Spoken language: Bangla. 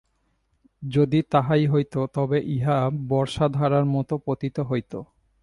যদি তাহাই হইত, তবে ইহা বর্ষাধারার মত পতিত হইত।